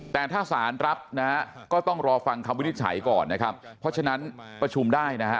แต่ถ้าสารรับนะฮะก็ต้องรอฟังคำวินิจฉัยก่อนนะครับเพราะฉะนั้นประชุมได้นะฮะ